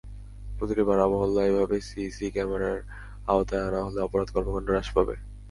প্রতিটি পাড়া-মহল্লা এভাবে সিসি ক্যামেরার আওতায় আনা হলে অপরাধ কর্মকাণ্ড হ্রাস পাবে।